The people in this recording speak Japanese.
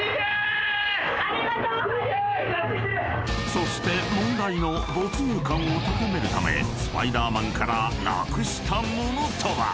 ［そして問題の没入感を高めるためスパイダーマンからなくしたものとは？］